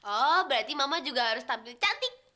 oh berarti mama juga harus tampil cantik